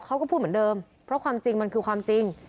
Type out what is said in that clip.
เขาก็พูดเหมือนเดิมเพราะความจริงมันคือความจริง